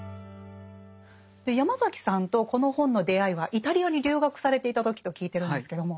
ヤマザキさんとこの本の出会いはイタリアに留学されていた時と聞いてるんですけども。